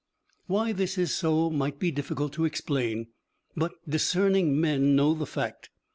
Why this is so might be difficult to explain, but discerning men know the fact.